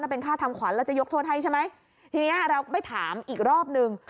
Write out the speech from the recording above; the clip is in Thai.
เป็นค่าทำขวัญแล้วจะยกโทษให้ใช่ไหมทีนี้เราไปถามอีกรอบหนึ่ง